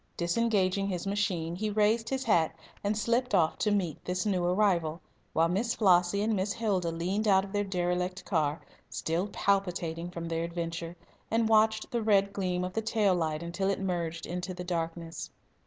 Disengaging his machine, he raised his hat, and slipped off to meet this new arrival, while Miss Flossie and Miss Hilda leaned out of their derelict car, still palpitating from their adventure, and watched the red gleam of the tail light until it merged into the darkness.